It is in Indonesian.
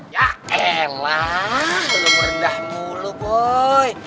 ya elah lu merendah mulu boy